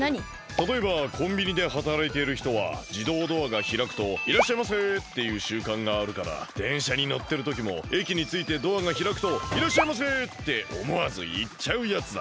たとえばコンビニではたらいているひとはじどうドアがひらくといらっしゃいませっていうしゅうかんがあるからでんしゃにのってるときもえきについてドアがひらくといらっしゃいませっておもわずいっちゃうやつだ。